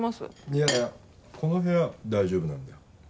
いやいやこの部屋は大丈夫なんだよ。